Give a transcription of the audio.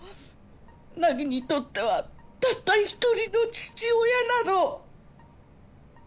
凪にとってはたった１人の父親なの！